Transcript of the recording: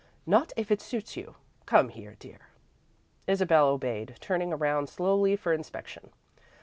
"Not if it suits you. Come here, dear." Isabel obeyed, turning around slowly for inspection.